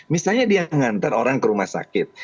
misalnya dia ngantar orang ke rumah sakit